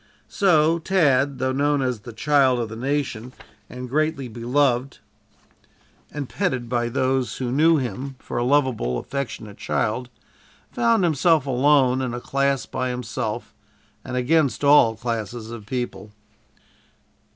So Tad, though known as "the child of the nation," and greatly beloved and petted by those who knew him for a lovable affectionate child, found himself alone in a class by himself, and against all classes of people.